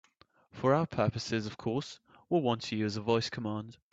For our purposes, of course, we'll want to use a voice command.